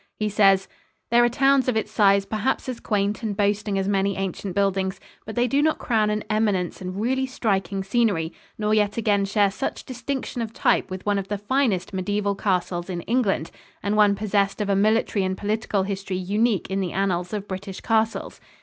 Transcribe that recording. He says: "There are towns of its size perhaps as quaint and boasting as many ancient buildings, but they do not crown an eminence amid really striking scenery, nor yet again share such distinction of type with one of the finest mediaeval castles in England and one possessed of a military and political history unique in the annals of British castles.